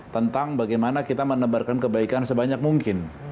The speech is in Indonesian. tentang bagaimana kita menebarkan kebaikan sebanyak mungkin